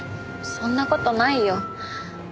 そんな事ないよ。